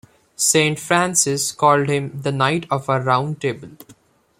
Saint Francis called him "The Knight of our Round Table".